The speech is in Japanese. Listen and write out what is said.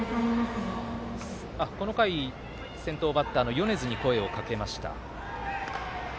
この回、先頭バッターの米津に声をかけました。